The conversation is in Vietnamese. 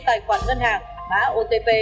tài khoản ngân hàng và otp